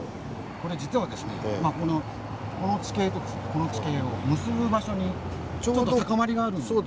これ実はこの地形とこの地形を結ぶ場所にちょっと高まりがあるんですね。